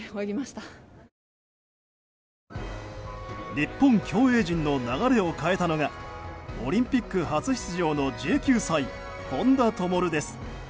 日本競泳陣の流れを変えたのがオリンピック初出場の１９歳本多灯です。